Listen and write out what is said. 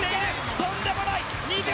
とんでもない！